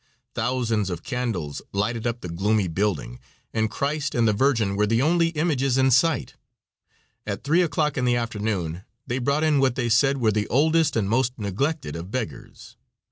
Thousands of candles lighted up the gloomy building, and Christ and the Virgin were the only images in sight. At 3 o'clock in the afternoon they brought in what they said were the oldest and most neglected of beggars.